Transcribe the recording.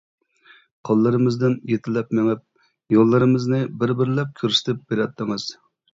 قوللىرىمىزدىن يېتىلەپ مېڭىپ يوللىرىمىزنى بىر-بىرلەپ كۆرسىتىپ بېرەتتىڭىز.